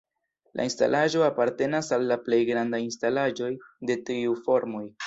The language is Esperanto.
La instalaĵo apartenas al la plej grandaj instalaĵoj de tiu formoj.